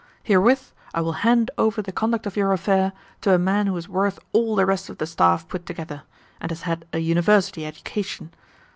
Herewith I will hand over the conduct of your affair to a man who is worth all the rest of the staff put together, and has had a university education.